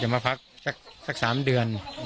มาพักสัก๓เดือน